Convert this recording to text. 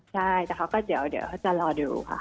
ใช่แต่เขาก็เดี๋ยวเขาจะรอดูค่ะ